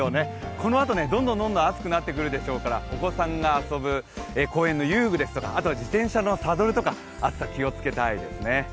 このあと、どんどんどんどん暑くなってくるでしょうからお子さんが遊ぶ公園の遊具ですとかあとは自転車のサドルとか暑さ気をつけたいですね。